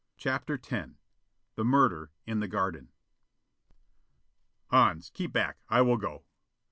CHAPTER X The Murder in the Garden "Hans, keep back! I will go!"